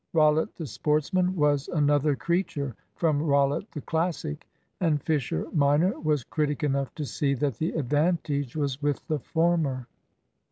Rollitt the sportsman was another creature from Rollitt the Classic, and Fisher minor was critic enough to see that the advantage was with the former.